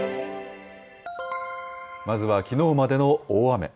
まずはきのうまでの大雨。